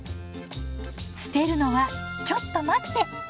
捨てるのはちょっと待って！